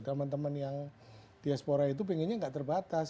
teman teman yang diaspora itu pengennya nggak terbatas